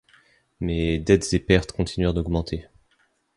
Mais, dettes et pertes continuèrent d'augmenter.